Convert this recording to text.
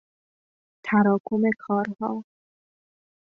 تراکم کارها